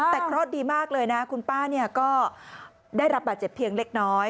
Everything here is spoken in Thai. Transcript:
แตกโอดดีมากเลยนะคุณป้าเนี่ยก็ได้รับบาดเจ็บเพียงเล็กน้อย